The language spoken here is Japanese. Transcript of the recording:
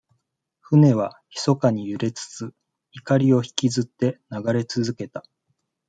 船は、ひそかに揺れつつ、錨をひきずって流れつづけた。